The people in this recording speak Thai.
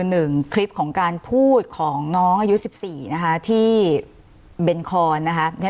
หนึ่งคลิปของการพูดของน้องอายุสิบสี่นะคะที่เบนคอนนะคะ